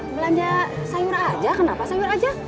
belanja sayur aja kenapa sayur aja